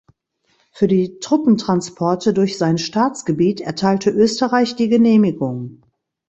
Für die Truppentransporte durch sein Staatsgebiet erteilte Österreich die Genehmigung.